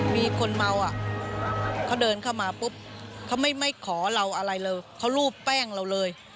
มีคนเมาอ่ะเขาเดินเข้ามาปุ๊บเขาไม่ขอเราอะไรเลยเขารูปแป้งเราเลย